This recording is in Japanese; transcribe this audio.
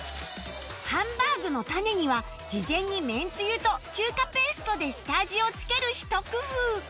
ハンバーグのタネには事前に麺つゆと中華ペーストで下味をつけるひと工夫